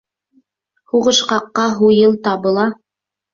Һуғышҡаҡҡа һуйыл табыла.